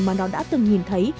mà nó đã từng nhìn thấy